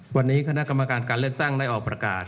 วันนี้คณะกรรมการการเลือกตั้งได้ออกประกาศ